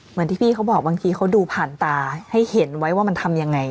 เหมือนที่พี่เขาบอกบางทีเขาดูผ่านตาให้เห็นไว้ว่ามันทำยังไง